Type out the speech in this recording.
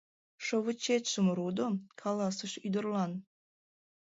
— Шовычетшым рудо, — каласыш ӱдырлан.